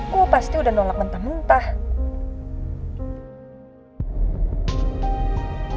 gue pasti udah nolak mentah mentah